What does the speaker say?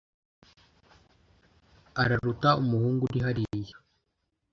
Araruta umuhungu uri hariya.